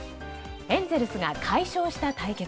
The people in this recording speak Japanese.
エンゼルスが快勝した対決。